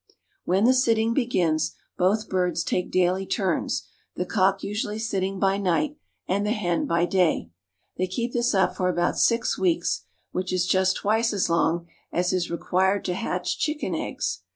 When the sitting begins, both birds take daily turns, the cock usually sitting by night and the hen by day. They keep this up for about six weeks, which is just twice as long as is required to hatch chicken eggs.